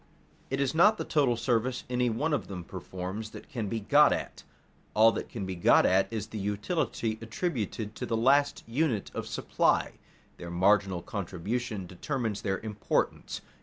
It is not the total service any one of them performs that can be got at; all that can be got at is the utility attributed to the last unit of supply. Their marginal contribution determines their importance.